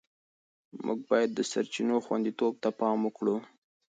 موږ باید د سرچینو خوندیتوب ته پام وکړو.